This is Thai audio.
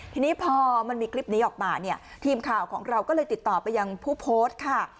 ทีนี้พอมันมีคลิปนี้ออกมาเนี่ยทีมข่าวของเราก็เลยติดต่อไปยังผู้โพสต์ค่ะ